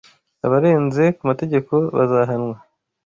Abarenze ku mategeko bazahanwa.